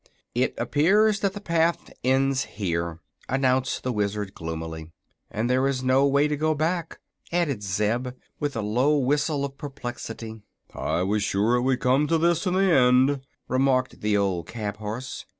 "It appears that the path ends here," announced the Wizard, gloomily. "And there is no way to go back," added Zeb, with a low whistle of perplexity. "I was sure it would come to this, in the end," remarked the old cab horse.